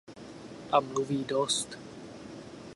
A mluví dost.